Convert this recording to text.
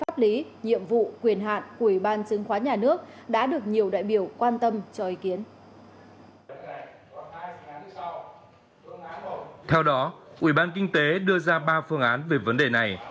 theo đó ủy ban kinh tế đưa ra ba phương án về vấn đề này